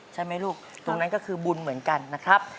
ใช่ไหมลูกตรงนั้นก็คือบุญเหมือนกันนะครับ